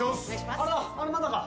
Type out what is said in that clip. あれまだか？